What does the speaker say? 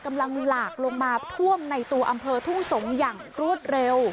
หลากลงมาท่วมในตัวอำเภอทุ่งสงศ์อย่างรวดเร็ว